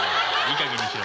いいかげんにしろ。